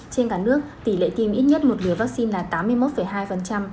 trên cả nước tỷ lệ tiêm ít nhất một liều vaccine là tám mươi một hai